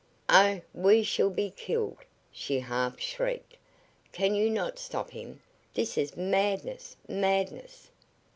"Oh, we shall be killed!" she half shrieked. "Can you not stop him? This is madness madness!"